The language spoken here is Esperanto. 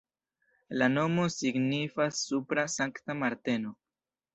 La nomo signifas supra Sankta Marteno.